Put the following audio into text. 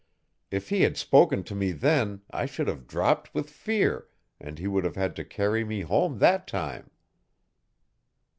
If he had spoken to me, then, I should have dropped with fear and he would have had to carry me home that time.